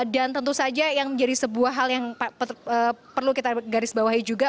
dan tentu saja yang menjadi sebuah hal yang perlu kita garis bawahi juga